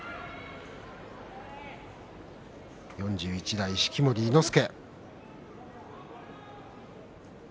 ４１代式守伊之助。